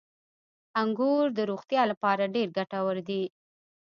• انګور د روغتیا لپاره ډېر ګټور دي.